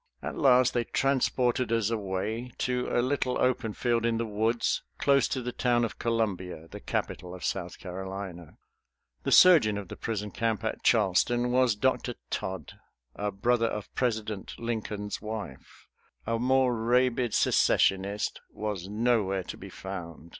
At last they transported us away to a little open field in the woods, close to the town of Columbia, the capital of South Carolina. The surgeon of the prison camp at Charleston was Dr. Todd, a brother of President Lincoln's wife. A more rabid Secessionist was nowhere to be found.